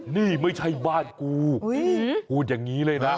นี่ไม่ใช่บ้านกูพูดอย่างนี้เลยนะ